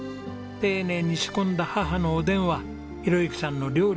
丁寧に仕込んだ母のおでんは宏幸さんの料理の原点。